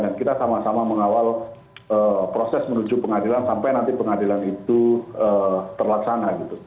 dan kita sama sama mengawal proses menuju pengadilan sampai nanti pengadilan itu terlaksana